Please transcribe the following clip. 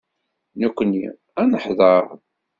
Nekkni ad neḥḍer.